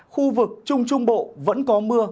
khu vực trung trung bộ vẫn có mưa